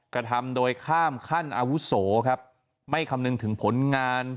กระทำโดยข้ามขั้นอาวุโสครับไม่คำนึงถึงผลงาน